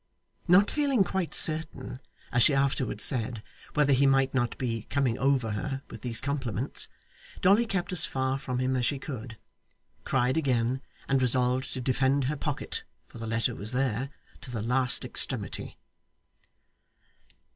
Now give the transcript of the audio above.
Not feeling quite certain, as she afterwards said, whether he might not be 'coming over her' with these compliments, Dolly kept as far from him as she could, cried again, and resolved to defend her pocket (for the letter was there) to the last extremity.